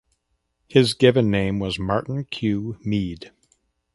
His given name was Martin Kew Meade.